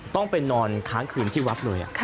ต้องไปนอนค้างคืนที่วัดเลย